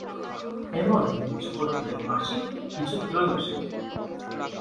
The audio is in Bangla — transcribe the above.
এরমধ্যে কিছু পত্রিকা মাসিক, কিছু ত্রৈমাসিক।